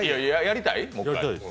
やりたい？